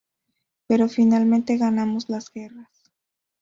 Pero, finalmente, ganamos las guerras".